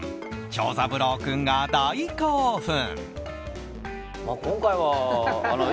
長三郎君が大興奮。